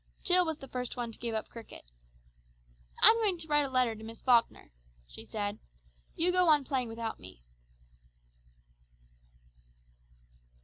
Jill was the first one to give up cricket. "I'm going to write a letter to Miss Falkner," she said. "You go on playing without me."